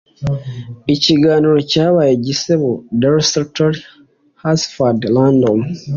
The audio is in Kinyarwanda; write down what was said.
Ikiganiro cyabaye igisebo desultory hafazardly random